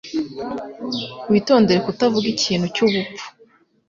Witondere kutavuga ikintu cyubupfu.